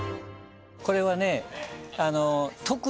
これはね。